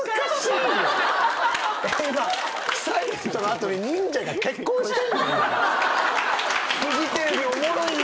『ｓｉｌｅｎｔ』の後に忍者が結婚してんの？